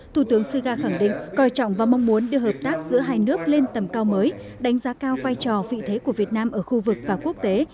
thủ tướng suga khẳng định coi trọng và mong muốn đưa hợp tác giữa hai nước lên tầm cao mới đánh giá cao vai trò vị thế của việt nam ở khu vực và quốc tế